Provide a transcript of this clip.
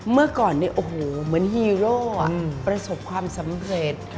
เมื่อก่อนเนี่ยโอ้โหเหมือนฮีโร่ประสบความสำเร็จ